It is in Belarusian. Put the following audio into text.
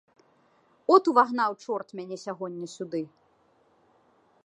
От увагнаў чорт мяне сягоння сюды!